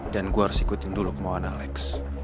dan gua harus ikutin dulu kemauan alex